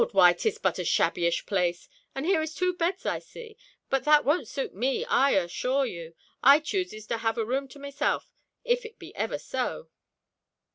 why 'tis but a shabbyish place; and here is two beds I see. But that won't suit me I asshore you. I chuses to have a room to myself, if it be ever so.'